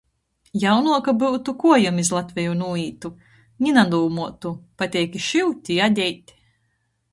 Jaunuoka byutu, kuojom iz Latveju nūītu. Ni nadūmuotu. Pateik i šyut, i adēt.